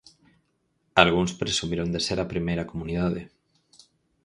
Algúns presumiron de ser a primeira comunidade.